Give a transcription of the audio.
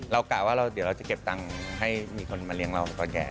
กะว่าเดี๋ยวเราจะเก็บตังค์ให้มีคนมาเลี้ยงเราตอนแก่